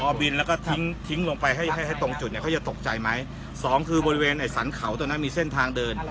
เอาบินแล้วก็ทิ้งทิ้งลงไปให้ให้ตรงจุดเนี้ยเขาจะตกใจไหมสองคือบริเวณไอ้สรรเขาตรงนั้นมีเส้นทางเดิน